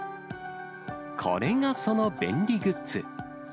これがその便利グッズ。